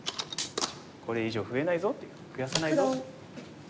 「これ以上増えないぞ」という「増やさないぞ」。